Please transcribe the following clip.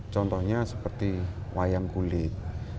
contohnya seperti wayang kulit